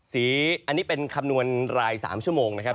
สีอันนี้เป็นคำนวณราย๓ชั่วโมงนะครับ